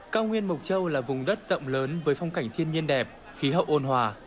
cao nguyên mộc châu là vùng đất rộng lớn với phong cảnh thiên nhiên đẹp khí hậu ôn hòa